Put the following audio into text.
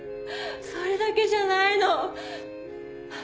それだけじゃないの。